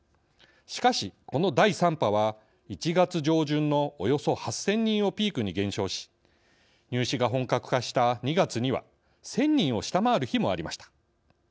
しかしこの第３波は１月上旬のおよそ８０００人をピークに減少し入試が本格化した２月には１０００人を下回る日もありました。